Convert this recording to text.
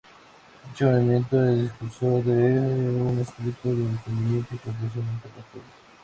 Dicho movimiento es difusor de un espíritu de entendimiento y comprensión entre los pueblos.